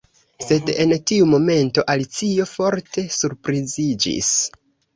Sed en tiu momento Alicio forte surpriziĝis.